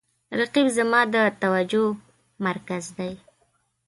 رقیب زما د توجه مرکز دی